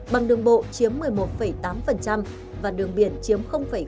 bằng đường bộ chiếm một mươi một tám và đường biển chiếm ba